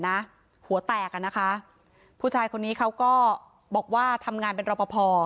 หัวแตกอ่ะนะคะผู้ชายคนนี้เขาก็บอกว่าทำงานเป็นรอปภ